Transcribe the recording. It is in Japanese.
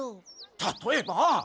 たとえば。